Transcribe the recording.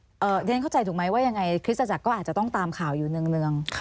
เดี๋ยวฉันเข้าใจถูกไหมว่ายังไงคริสตจักรก็อาจจะต้องตามข่าวอยู่เนื่อง